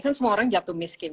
kan semua orang jatuh miskin